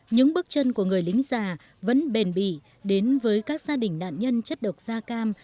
những bước chân của người lính già vẫn bền bỉ đến với các gia đình nạn nhân chất độc da cam